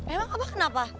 emang abah kenapa